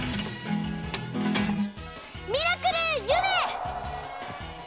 ミラクルゆめ！